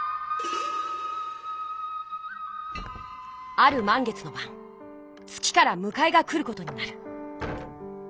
あるまん月のばん月からむかえが来ることになる。